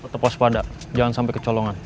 tepas pada jangan sampai kecolongan